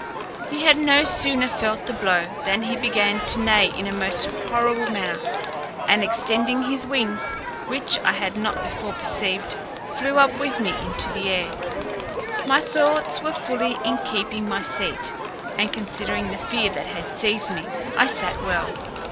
He had no sooner felt the blow, than he began to neigh in a most horrible manner, and extending his wings, which I had not before perceived, flew up with me into the air. My thoughts were fully in keeping my seat; and considering the fear that had seized me, I sat well.